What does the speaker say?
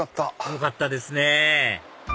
よかったですね！